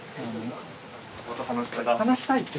また話したいって。